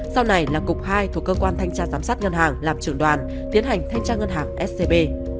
sau này là cục hai thuộc cơ quan thanh tra giám sát ngân hàng làm trưởng đoàn tiến hành thanh tra ngân hàng scb